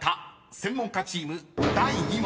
専門家チーム第２問］